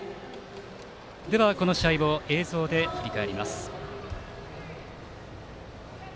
この試合を映像で振り返ります。